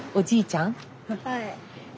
はい。